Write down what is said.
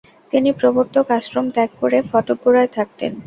তিনি প্রবর্তক আশ্রম ত্যাগ করে ফটকগোড়ায় থাকতেন।